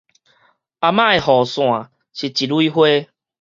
阿媽的雨傘是一蕊花